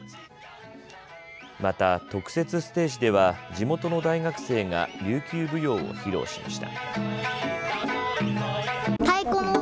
また特設ステージでは地元の大学生が琉球舞踊を披露しました。